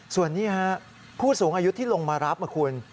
ส่วนนี้ผู้สูงอายุที่ลงมารับนะคุณ